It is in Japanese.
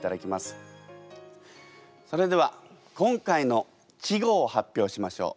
それでは今回の稚語を発表しましょう。